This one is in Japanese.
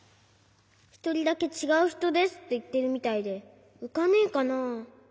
ひとりだけちがうひとですっていってるみたいでうかねえかな？